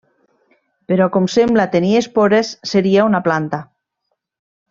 Però com sembla tenir espores seria una planta.